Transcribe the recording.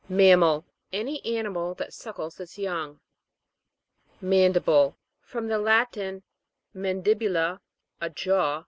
MAM'MAL. Any animal that suckles its young. MAN'DIBLE. From the Latin, man dibula, a jaw.